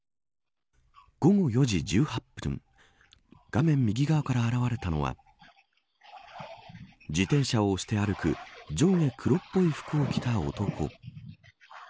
午後４時１８分画面右側から現れたのは自転車を押して歩く上下黒っぽい服を着た男。